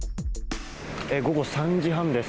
午後３時半です。